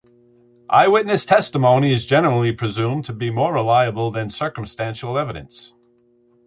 Eyewitness testimony is generally presumed to be more reliable than circumstantial evidence.